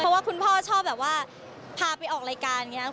เพราะว่าคุณพ่อชอบแบบว่าพาไปออกรายการอย่างนี้